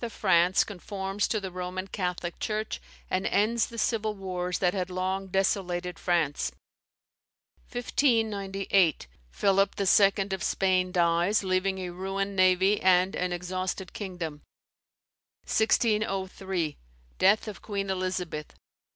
of France conforms to the Roman Catholic Church, and ends the civil wars that had long desolated France. 1598. Philip II. of Spain dies, leaving a ruined navy and an exhausted kingdom. 1603. Death of Queen Elizabeth.